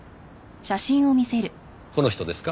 この人ですか？